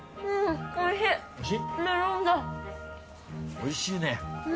おいしいね。